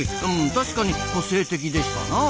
確かに個性的でしたなあ。